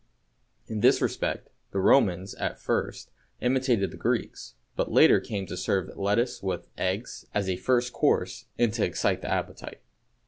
In this respect the Romans, at first, imitated the Greeks, but later came to serve lettuce with eggs as a first course and to excite the appetite.